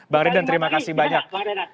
bang redan terima kasih banyak